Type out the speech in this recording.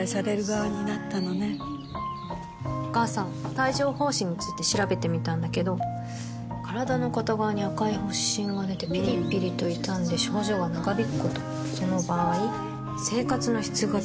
帯状疱疹について調べてみたんだけど身体の片側に赤い発疹がでてピリピリと痛んで症状が長引くこともその場合生活の質が低下する？